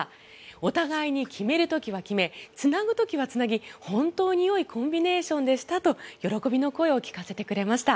お互いに決める時は決めつなぐ時はつなぎ、本当に良いコンビネーションでしたと喜びの声を聞かせてくれました。